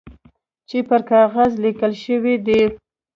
چي پر کاغذ لیکل شوي دي .